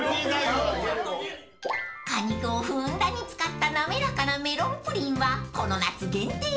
［果肉をふんだんに使った滑らかなメロンプリンはこの夏限定］